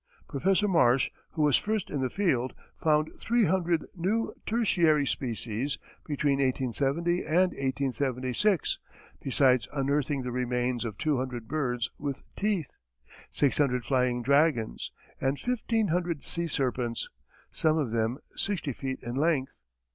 Prof. Marsh, who was first in the field, found three hundred new tertiary species between 1870 and 1876, besides unearthing the remains of two hundred birds with teeth, six hundred flying dragons, and fifteen hundred sea serpents, some of them sixty feet in length.